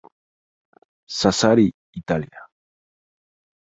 Sassari, Italia.